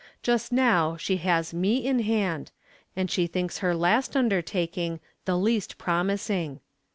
Just now she has me in hand, and she thinks her last under taking the least promising.